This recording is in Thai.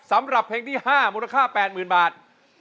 สำหรับเพลงที่๕มูลค่า๘๐๐๐บาท